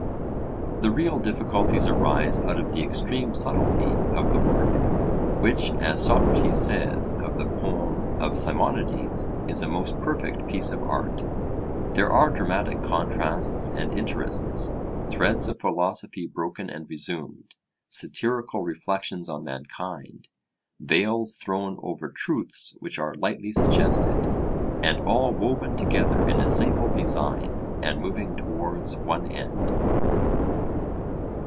The real difficulties arise out of the extreme subtlety of the work, which, as Socrates says of the poem of Simonides, is a most perfect piece of art. There are dramatic contrasts and interests, threads of philosophy broken and resumed, satirical reflections on mankind, veils thrown over truths which are lightly suggested, and all woven together in a single design, and moving towards one end.